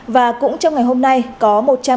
và cũng trong ngày hôm nay có